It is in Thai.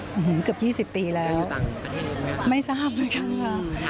อื้อหือเกือบ๒๐ปีแล้วไม่ทราบเลยค่ะค่ะค่ะ